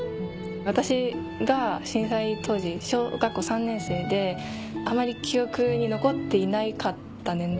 私が震災当時小学校３年生であまり記憶に残っていなかった年代。